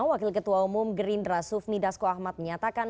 wakil ketua umum gerindra sufnidasko ahmad menyatakan